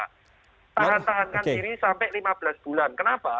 tahan tahankan diri sampai lima belas bulan kenapa